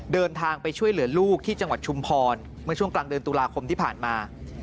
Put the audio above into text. เดินทางไปช่วยเหลือลูกที่จังหวัดชุมพรเมื่อช่วงกลางเดือนตุลาคมที่ผ่านมา